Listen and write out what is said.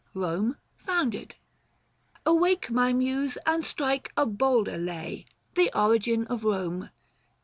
EOME FOUNDED. Awake my muse, and strike a bolder lay — The origin of Kome.